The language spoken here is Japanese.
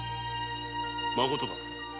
まことか？